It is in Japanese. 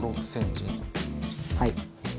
はい。